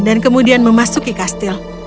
dan kemudian memasuki kastil